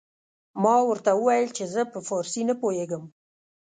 ما ورته وويل چې زه په فارسي نه پوهېږم.